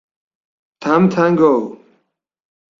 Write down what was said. Tam Tam Go!